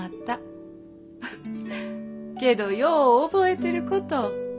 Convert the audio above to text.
ふっけどよう覚えてること。